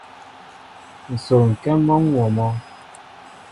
Nsol ŋkém mɔnwóó mɔ.